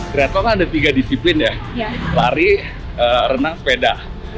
di triathlon ada tiga disiplin ya lari renang sepeda